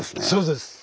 そうです。